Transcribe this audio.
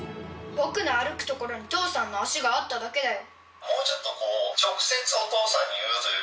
僕の歩く所に父さんの足があっただけだよ。